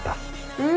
うん。